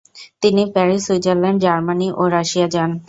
তিনি Paris, Switzerland, Germany ও Russia যান।